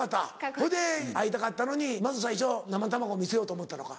ほいで会いたかったのにまず最初生卵見せようと思ったのか。